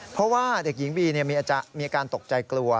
เพราะว่าเด็กหญิงบีมีอาการตกใจกลัว